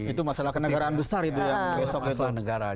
itu masalah kenegaraan besar itu yang besok masalah negara